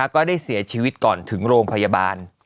ก็ได้เสียชีวิตก่อนถึงโรงพยาบาล